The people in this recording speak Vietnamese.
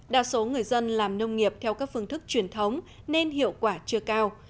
đa số người dân làm nông nghiệp theo các phương thức truyền thống nên hiệu quả chưa cao